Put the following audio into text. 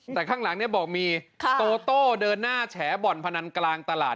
แต่ข้างหลังบอกว่ามีโตโตเดินหน้าแชบ่นภานันกลางตลาด